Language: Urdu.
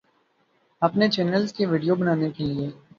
اپنے چینلز کی ویڈیو بنانے کے لیے